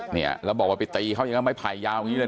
เนี่ยแล้วบอกว่าไปตีเขาอย่างนั้นไม้ไผ่ยาวอย่างนี้เลย